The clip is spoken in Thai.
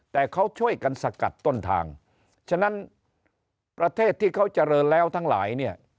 แต่เขาช่วยกันสกัดต้นทางฉะนั้นประเทศที่เขาเจริญแล้วทั้งหลายเนี่ย